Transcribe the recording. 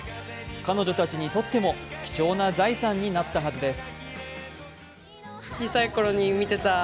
彼女たちにとっても貴重な財産になったはずです。